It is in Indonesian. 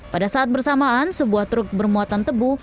pada saat bersamaan sebuah truk bermuatan tebu